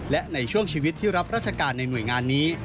และในช่วงชีวิตที่รับราชการในหน่วยงานนี้